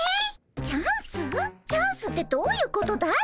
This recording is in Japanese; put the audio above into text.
チャンスってどういうことだい？